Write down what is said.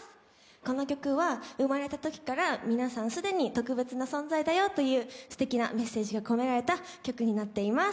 この曲は生まれたときから既に特別な存在だよというすてきなメッセージが込められた曲になっています。